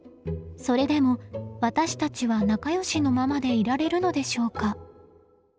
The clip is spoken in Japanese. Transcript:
それでも私たちは仲よしのままでいられるのでしょうか。